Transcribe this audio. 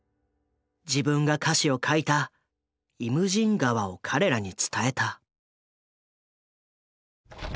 自分が歌詞を書いた「イムジン河」を彼らに伝えた。